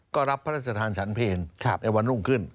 ก็รับพระราชทานฉันเพลในวันรุ่งขึ้น